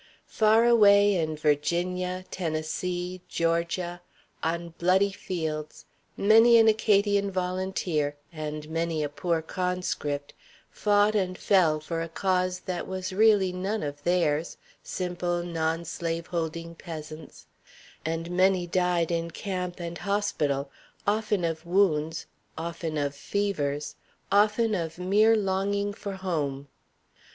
Far away in Virginia, Tennessee, Georgia, on bloody fields, many an Acadian volunteer and many a poor conscript fought and fell for a cause that was really none of theirs, simple, non slaveholding peasants; and many died in camp and hospital often of wounds, often of fevers, often of mere longing for home.